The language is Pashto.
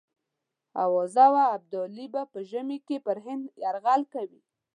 آوازه وه ابدالي به په ژمي کې پر هند یرغل کوي.